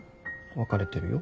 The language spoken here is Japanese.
別れてるよ。